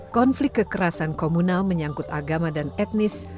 konflik kekerasan komunal menyangkut agama dan etnis